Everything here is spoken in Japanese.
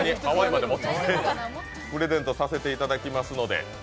プレゼントさせていただきますので。